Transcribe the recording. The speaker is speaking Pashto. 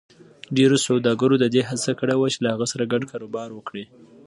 ډېرو سوداګرو د دې هڅه کړې وه چې له هغه سره ګډ کاروبار وکړي.